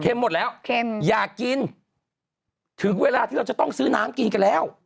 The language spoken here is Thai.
หมดแล้วเค็มอยากกินถึงเวลาที่เราจะต้องซื้อน้ำกินกันแล้ว